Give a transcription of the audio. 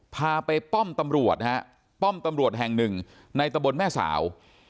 พาไปป้อมตำรวจนะฮะป้อมตำรวจแห่งหนึ่งในตะบนแม่สาว